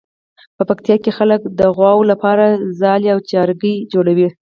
په پکتیکا کې خلک د غواوو لپاره څالې او جارګې جوړوي.